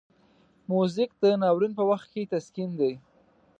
موزیک د ناورین په وخت کې تسکین دی.